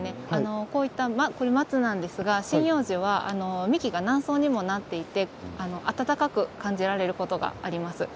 これは松なんですが針葉樹は幹が何層にもなっていて暖かく感じられることがあります。